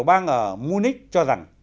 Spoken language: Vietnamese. của bang ở munich cho rằng